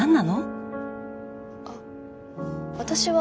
あっ私は。